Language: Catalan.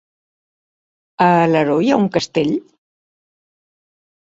A Alaró hi ha un castell?